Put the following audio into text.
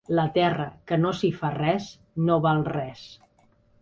La terra que no s'hi fa res no val res.